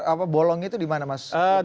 apa bolongnya itu dimana mas lukman